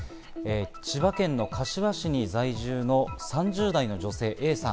千葉県の柏市に在住の３０代の女性Ａさん。